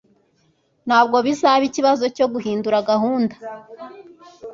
ntabwo bizaba ikibazo cyo guhindura gahunda